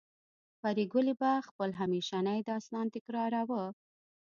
پريګلې به خپل همیشنی داستان تکراروه